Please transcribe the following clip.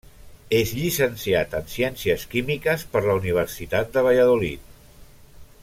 És llicenciat en Ciències Químiques per la Universitat de Valladolid.